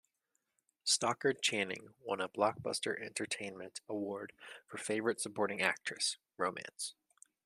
Stockard Channing won a Blockbuster Entertainment Award for Favorite Supporting Actress - Romance.